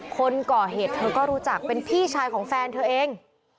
คนก่อเหตุเธอก็รู้จักเป็นพี่ชายของแฟนเธอเอง